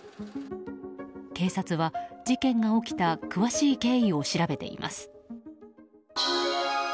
警察は事件が起きた詳しい経緯を調べています。